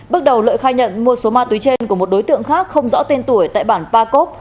bước đầu lợi khai nhận mua số ma túy trên của một đối tượng khác không rõ tên tuổi tại bản pa cốc